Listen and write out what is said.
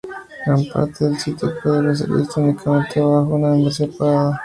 Gran parte del sitio puede ser visto únicamente bajo una membresía pagada.